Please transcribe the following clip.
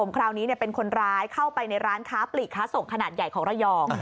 คราวนี้เป็นคนร้ายเข้าไปในร้านค้าปลีกค้าส่งขนาดใหญ่ของระยอง